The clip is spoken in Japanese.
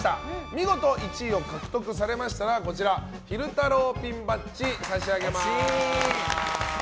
見事１位を獲得されましたら昼太郎ピンバッジを欲しい！